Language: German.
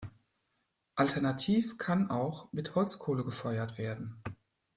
Alternativ kann auch mit Holzkohle gefeuert werden.